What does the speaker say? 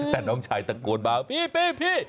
แต่น้องชายตะโกนมาพี่